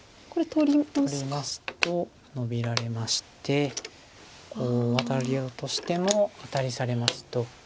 取りますとノビられましてワタろうとしてもアタリされますと。